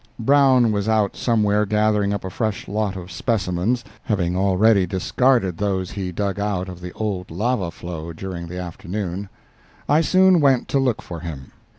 Brown was out somewhere gathering up a fresh lot of specimens, having already discarded those he dug out of the old lava flow during the afternoon. I soon went to look for him.